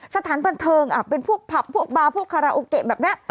สถานบันเทิงเป็นพวกผับพวกบาร์พวกคาราโอเกะแบบนี้